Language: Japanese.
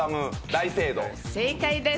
正解です。